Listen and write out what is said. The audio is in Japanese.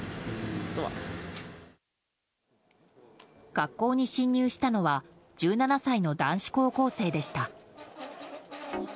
学校に侵入したのは１７歳の男子高校生でした。